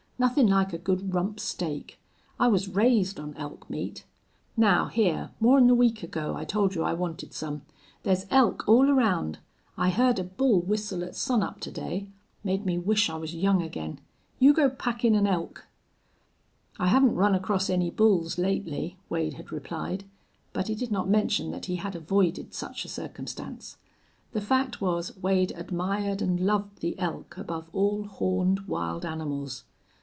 "Nothin' like a good rump steak! I was raised on elk meat. Now hyar, more'n a week ago I told you I wanted some. There's elk all around. I heerd a bull whistle at sunup to day. Made me wish I was young ag'in!... You go pack in an elk." "I haven't run across any bulls lately," Wade had replied, but he did not mention that he had avoided such a circumstance. The fact was Wade admired and loved the elk above all horned wild animals.